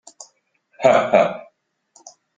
呵呵！